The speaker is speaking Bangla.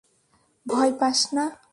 ভয় পাস না।